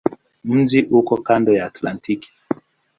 Mji uko kando la Atlantiki.